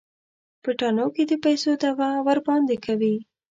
په تاڼو کې د پيسو دعوه ورباندې کوي.